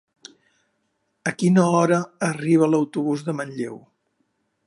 A quina hora arriba l'autobús de Manlleu?